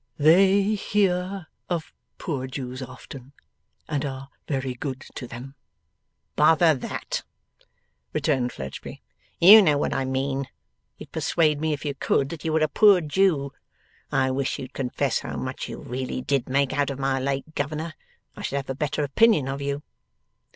'They hear of poor Jews often, and are very good to them.' 'Bother that!' returned Fledgeby. 'You know what I mean. You'd persuade me if you could, that you are a poor Jew. I wish you'd confess how much you really did make out of my late governor. I should have a better opinion of you.